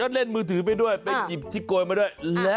อารมณ์เสียด้วย